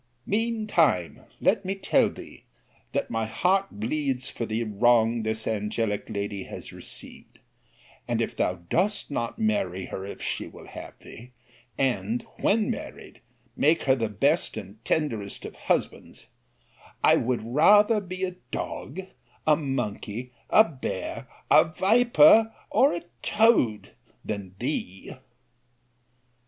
Mean time let me tell thee, that my heart bleeds for the wrong this angelic lady has received: and if thou dost not marry her, if she will have thee, and, when married, make her the best and tenderest of husbands, I would rather be a dog, a monkey, a bear, a viper, or a toad, than thee.